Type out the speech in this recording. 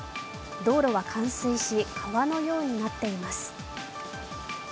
道路は冠水し、川のようになっています。